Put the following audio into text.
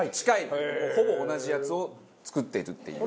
もうほぼ同じやつを作っているっていう。